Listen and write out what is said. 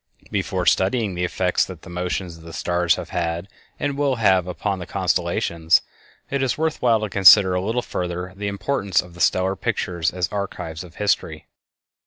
Before studying the effects that the motions of the stars have had and will have upon the constellations, it is worth while to consider a little further the importance of the stellar pictures as archives of history.